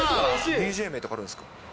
ＤＪ名とかあるんですか？